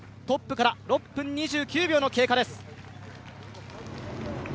トップから６分２９秒の経過です。